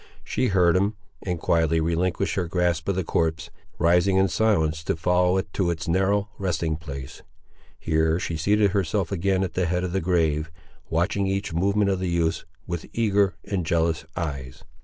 She heard him, and quietly relinquished her grasp of the corpse, rising in silence to follow it to its narrow resting place. Here she seated herself again at the head of the grave, watching each movement of the youths with eager and jealous eyes.